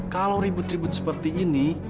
kalau ribut ribut seperti ini